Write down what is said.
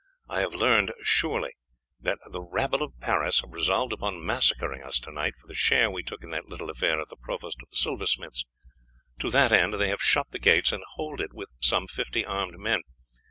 I have learned surely that the rabble of Paris have resolved upon massacring us to night for the share we took in that little affair at the provost of the silversmiths. To that end they have shut the gates, and hold it with some fifty armed men.